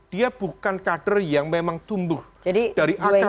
dia bukan kader yang memang tumbuh dari akar yang cukup kuat